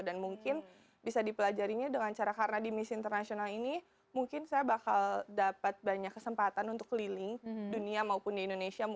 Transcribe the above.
dan mungkin bisa dipelajarinya dengan cara karena di miss international ini mungkin saya bakal dapat banyak kesempatan untuk keliling dunia maupun di indonesia